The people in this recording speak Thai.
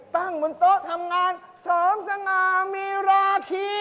บนโต๊ะทำงานเสริมสง่ามีราคี